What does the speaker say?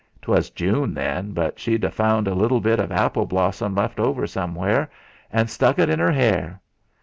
'Twas June then, but she'd afound a little bit of apple blossom left over somewheres, and stuck et in 'er '.ir.